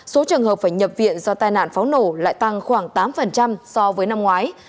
số trường hợp phải nhập viện do tai nạn pháo nổ lại tăng khoảng tám so với năm ngoái